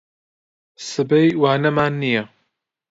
سبەی وانەمان نییە.